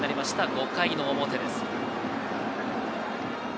５回の表です。